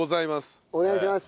お願いします。